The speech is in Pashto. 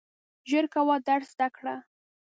ژر کوه درس زده کړه !